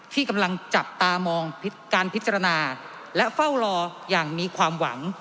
ที่กำลังจับตามองการพิจารณาและเฝ้ารออย่างมีความหวัง